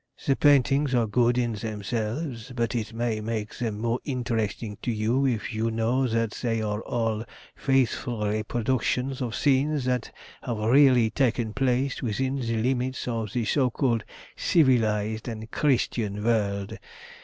The paintings are good in themselves, but it may make them more interesting to you if you know that they are all faithful reproductions of scenes that have really taken place within the limits of the so called civilised and Christian world.